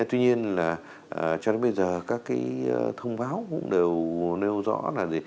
tuy nhiên là cho đến bây giờ các cái thông báo cũng đều nêu rõ là